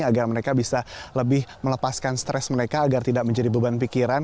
agar mereka bisa lebih melepaskan stres mereka agar tidak menjadi beban pikiran